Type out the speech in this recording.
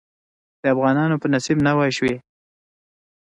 د افغانانو په نصيب نوى شوې.